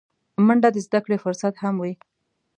منډه د زدهکړې فرصت هم وي